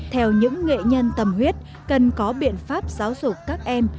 theo những nghệ nhân tầm huyết cần có biện pháp giáo dục các em